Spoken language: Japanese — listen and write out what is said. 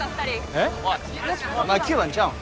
おいお前９番ちゃうん？